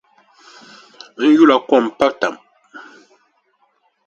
N yula kom pa dam.